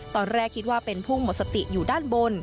ตอนแรกคิดว่าเป็นพุ่งหมดสติอยู่ด้านบน